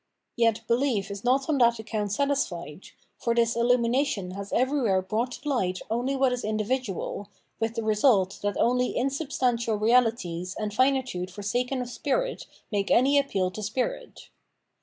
Yet belief is not on that account satisfied, for this illumination has everywhere brought to light only what is individual, with the result that only insubstantial reahties and finitude forsaken of spirit make any appeal to spirit.